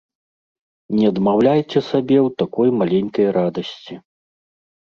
Не адмаўляйце сабе ў такой маленькай радасці.